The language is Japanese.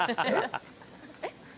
えっ？